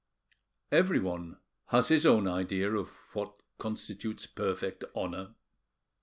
Everyone has his own idea of what constitutes perfect honour.